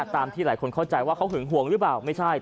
ที่หลายคนเข้าใจว่าเขาหึงห่วงหรือเปล่าไม่ใช่